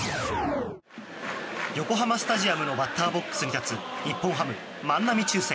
横浜スタジアムのバッターボックスに立つ日本ハム、万波中正。